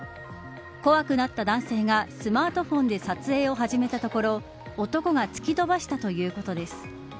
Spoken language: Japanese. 怖くなった男性がスマートフォンで撮影を始めたところ男が突き飛ばしたということです。